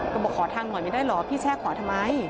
ก็บอกขอทางหน่อยไม่ได้เหรอพี่แช่ขอทำไม